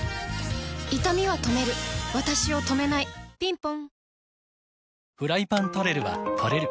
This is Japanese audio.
いたみは止めるわたしを止めないぴんぽん